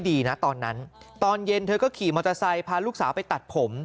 ดีนะตอนนั้นตอนเย็นเธอก็ขี่มอเตอร์ไซค์พาลูกสาวไปตัดผม